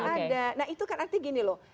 nggak ada nah itu kan arti gini loh